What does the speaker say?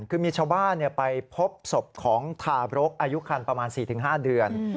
คือมีชาวบ้านไปพบศพของทาบรกอายุคันประมาณ๔๕เดือน